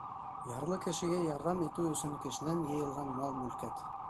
Ярлы кешегә ярҙам итеү өсөн кешенән йыйылған мал-мөлкәт.